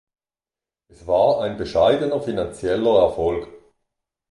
Es war ein bescheidener finanzieller Erfolg.